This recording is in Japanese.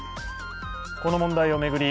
この問題を巡り